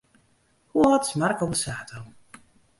Hoe âld is Marco Borsato?